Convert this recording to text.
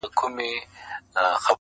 اے خالده زۀ ايمان پۀ مينه راوړم